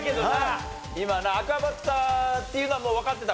アクアパッツァっていうのはもうわかってた？